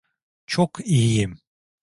Çok iyiyim.